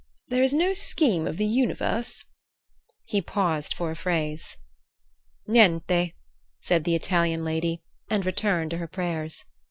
There is no scheme of the universe—" He paused for a phrase. "Niente," said the Italian lady, and returned to her prayers.